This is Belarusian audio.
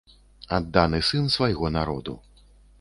Адданы сын свайго народу.